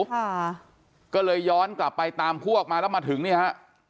ค่ะก็เลยย้อนกลับไปตามพวกมาแล้วมาถึงเนี่ยฮะ